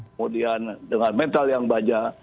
kemudian dengan mental yang baja